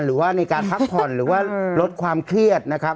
หรือว่าในการพักผ่อนหรือว่าลดความเครียดนะครับ